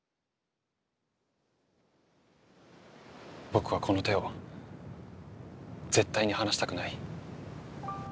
僕はこの手を絶対に離したくない。